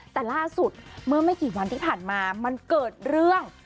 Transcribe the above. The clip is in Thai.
แต่ล่าสุดเมื่อไม่กี่วันที่ผ่านมามันเกิดเรื่อง